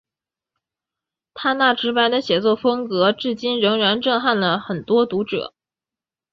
他那直白的写作风格至今仍然震撼了很多读者。